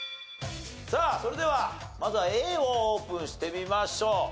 さあそれではまずはＡをオープンしてみましょう。